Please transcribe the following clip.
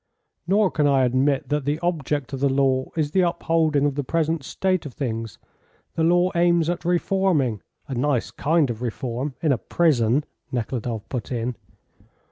"Nor can I admit that the object of the law is the upholding of the present state of things. The law aims at reforming " "A nice kind of reform, in a prison!" Nekhludoff put in.